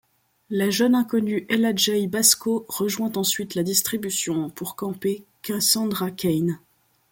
La jeune inconnue Ella Jay Basco rejoint ensuite la distribution pour camper Cassandra Cain.